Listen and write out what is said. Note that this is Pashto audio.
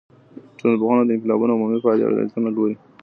ټولنپوه د انقلابونو عمومي پايلي او علتونه ګوري.